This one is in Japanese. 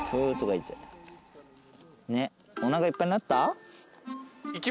おなかいっぱいになった？